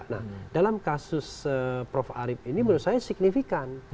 nah dalam kasus prof arief ini menurut saya signifikan